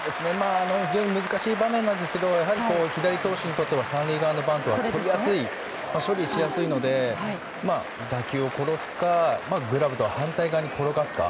非常に難しい場面ですが左投手にとっては３塁側のバントはとりやすい、処理しやすいので打球を殺すかグラブと反対側に転がすか。